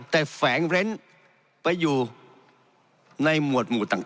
แต่แฝงเร้นไปอยู่ในหมวดหมู่ต่าง